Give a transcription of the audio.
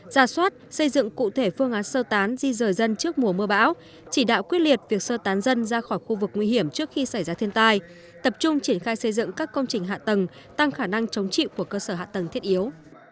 ra soát xây dựng cụ thể phương án sơ tán di rời dân trước mùa mưa bão chỉ đạo quyết liệt việc sơ tán dân ra khỏi khu vực nguy hiểm trước khi xảy ra thiên tai tập trung triển khai xây dựng các công trình hạ tầng tăng khả năng chống chịu của cơ sở hạ tầng thiết yếu